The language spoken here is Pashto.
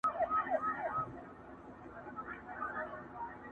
دا حلال به لا تر څو پر موږ حرام وي،